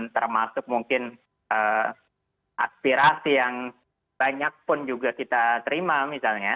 termasuk mungkin aspirasi yang banyak pun juga kita terima misalnya